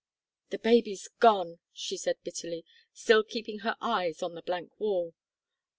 "The baby's gone!" she said, bitterly, still keeping her eyes on the blank wall.